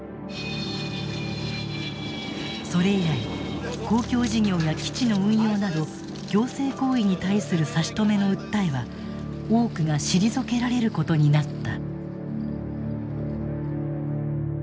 それ以来公共事業や基地の運用など行政行為に対する差し止めの訴えは多くが退けられることになった。